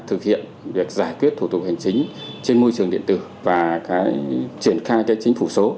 thực hiện việc giải quyết thủ tục hành chính trên môi trường điện tử và triển khai cái chính phủ số